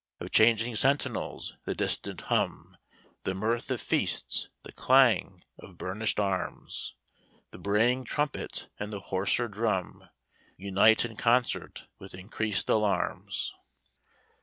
"Of changing sentinels the distant hum, The mirth of feasts, the clang of burnish'd arms, The braying trumpet, and the hoarser drum, Unite in concert with increased alarms."